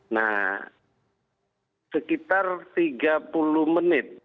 nah sekitar tiga puluh menit